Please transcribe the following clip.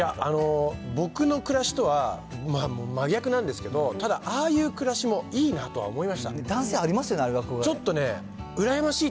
僕の暮らしとは真逆なんですけど、ただ、ああいう暮らしもいあなただけに！